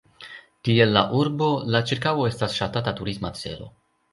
Tiel la urbo, la ĉirkaŭo estas ŝatata turisma celo.